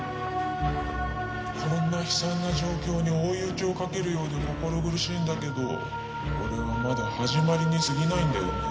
こんな悲惨な状況に追い打ちをかけるようで心苦しいんだけどこれはまだ始まりにすぎないんだよね